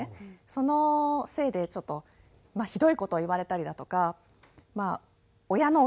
そのせいでちょっとひどい事を言われたりだとかまあ親の！